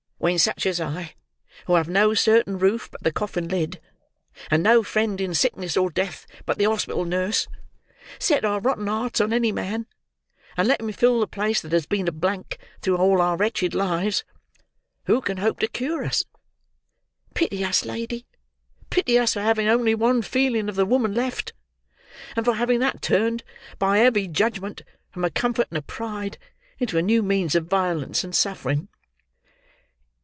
When such as I, who have no certain roof but the coffinlid, and no friend in sickness or death but the hospital nurse, set our rotten hearts on any man, and let him fill the place that has been a blank through all our wretched lives, who can hope to cure us? Pity us, lady—pity us for having only one feeling of the woman left, and for having that turned, by a heavy judgment, from a comfort and a pride, into a new means of violence and suffering."